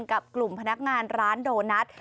กับกลุ่มพนักงานร้านโดนัท